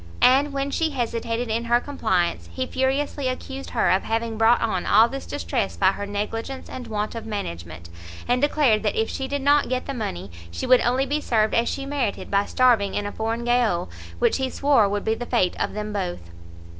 And, when she hesitated in her compliance, he furiously accused her of having brought on all this distress by her negligence and want of management, and declared that if she did not get the money, she would only be served as she merited by starving in a foreign gaol, which he swore would be the fate of them both.